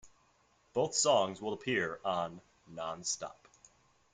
Both songs will appear on "Non-Stop".